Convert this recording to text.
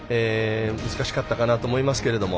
難しかったかなと思いますけども。